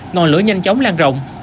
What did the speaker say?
ngòn lửa nhanh chóng lan rộng